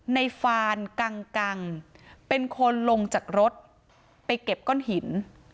ฟานกังกังเป็นคนลงจากรถไปเก็บก้อนหิน